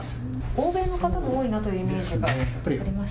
欧米の方も多いというのは、印象がありました。